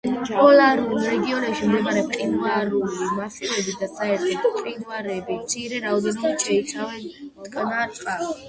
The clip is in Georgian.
პოლარულ რეგიონებში მდებარე მყინვარული მასივები და საერთოდ მყინვარები მცირე რაოდენობით შეიცავენ მტკნარ წყალს.